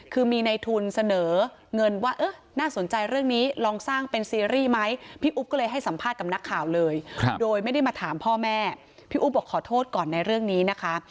คือมีในทุนเสนอเงินว่าเออน่าสนใจเรื่องนี้ลองสร้างเป็นซีรีส์ไหมพี่อุ๊บก็เลยให้สัมภาษณ์กับนักข่าวเลยโดยไม่ได้มาถามพ่อแม่พี่อุ๊บบอกขอโทษก่อนในเรื่องนี้นะคะ